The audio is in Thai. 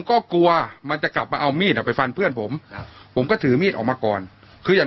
ก็กลัวมันจะกลับมาเอามีดอ่ะไปฟันเพื่อนผมครับผมก็ถือมีดออกมาก่อนคืออยาก